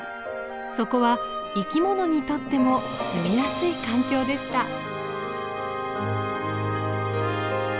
そこは生き物にとっても住みやすい環境でした。